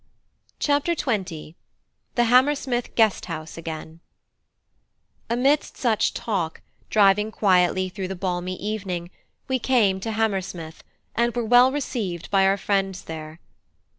CHAPTER XX: THE HAMMERSMITH GUEST HOUSE AGAIN Amidst such talk, driving quietly through the balmy evening, we came to Hammersmith, and were well received by our friends there.